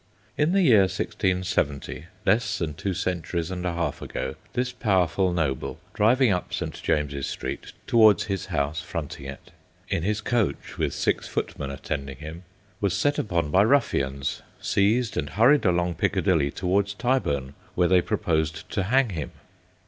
In the year 1670, less than two centuries and a half ago, this powerful noble, driving up St. James's Street towards his house fronting it, in his coach with six footmen attending him, was set upon by ruffians, seized and hurried along Piccadilly towards Tyburn, where they proposed to hang him.